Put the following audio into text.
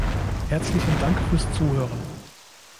Herzlichen Dank fürs Zuhören!